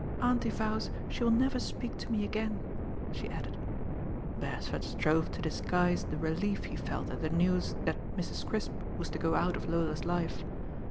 "Auntie vows she will never speak to me again," she added. Beresford strove to disguise the relief he felt at the news that Mrs. Crisp was to go out of Lola's life.